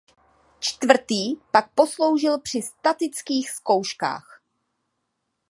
Čtvrtý pak posloužil při statických zkouškách.